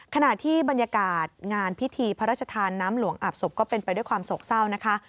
ขณะที่บรรยากาศงานพิธีพระราชทานน้ำหลวงอาบศพก็เป็นไปด้วยความโศกเศร้านะคะ